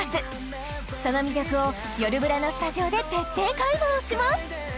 その魅力を「よるブラ」のスタジオで徹底解剖します